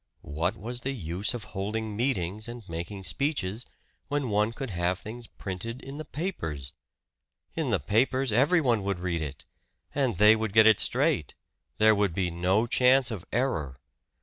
What was the use of holding meetings and making speeches, when one could have things printed in the papers? In the papers everyone would read it; and they would get it straight there would be no chance of error.